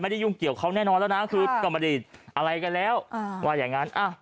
ไม่ได้ยุ่งเกี่ยวเขาแน่นอนแล้วนะ